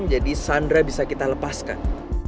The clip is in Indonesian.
jadi sandra bisa kita lepaskan